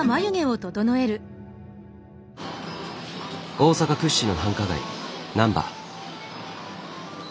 大阪屈指の繁華街なんば。